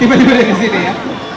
tiba tiba dari sini ya